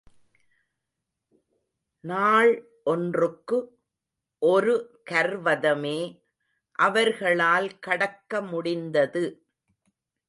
நாள் ஒன்றுக்கு ஒரு கர்வதமே அவர்களால் கடக்க முடிந்தது.